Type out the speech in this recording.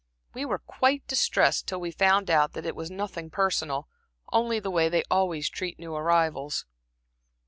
We were quite distressed till we found out that it was nothing personal only the way they always treat new arrivals."